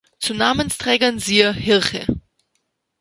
Zu Namensträgern siehe Hirche